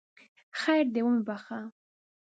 خیر دی ومې بخښه!